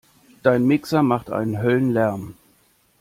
Dein Mixer macht einen Höllenlärm!